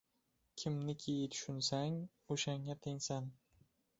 Kimniki tushunsang, o‘shanga tengsan.